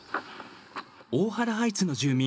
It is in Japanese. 大原ハイツの住民